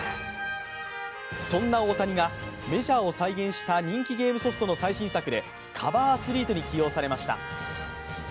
そんな大谷が、メジャーを再現した人気ゲームソフトの最新作でカバーアスリートに起用されました。